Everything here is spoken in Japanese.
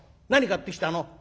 「何買ってきたの？」。